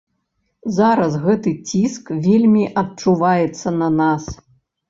Зараз гэты ціск вельмі адчуваецца на нас.